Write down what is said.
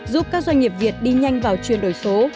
giúp các doanh nghiệp việt đi nhanh vào chuyển đổi số